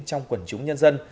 trong quần chúng nhân dân